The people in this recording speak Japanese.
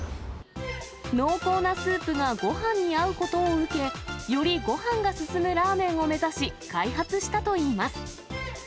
濃厚なスープがごはんに合うことを受け、よりごはんが進むラーメンを目指し、開発したといいます。